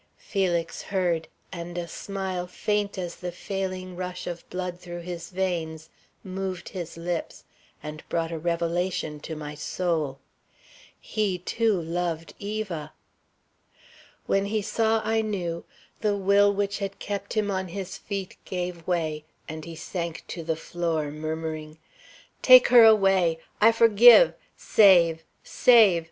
Felix heard, and a smile faint as the failing rush of blood through his veins moved his lips and brought a revelation to my soul. He, too, loved Eva! When he saw I knew, the will which had kept him on his feet gave way, and he sank to the floor murmuring: "Take her away! I forgive. Save! Save!